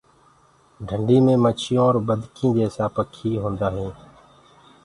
ڍنڊي مي مڇيونٚ اور بدڪينٚ جيسآ پکي هوندآ هينٚ۔